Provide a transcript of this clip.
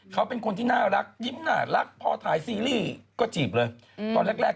เขาเป็นคนที่น่ารักยิ้มน่ารักพอถ่ายซีรีส์ก็จีบเลยตอนแรกแรก